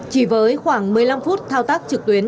chỉ với khoảng một mươi năm phút thao tác trực tuyến